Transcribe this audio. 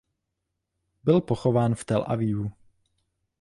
Byl pochován v Tel Avivu.